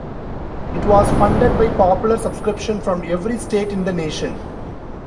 It was funded by popular subscription from every state in the nation.